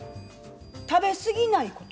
食べすぎないこと。